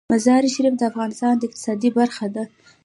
مزارشریف د افغانستان د اقتصاد برخه ده.